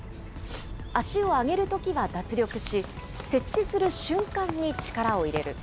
足を上げるときは脱力し、設置する瞬間に力を入れる。